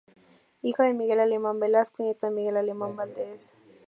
Hijo de Miguel Alemán Velasco y nieto de Miguel Alemán Valdes.